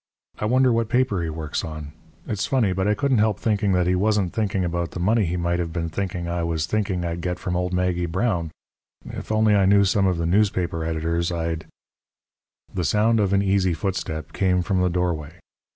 I wonder what paper he works on? It's funny, but I couldn't help thinking that he wasn't thinking about the money he might have been thinking I was thinking I'd get from old Maggie Brown. If I only knew some of the newspaper editors I'd " The sound of an easy footstep came from the doorway.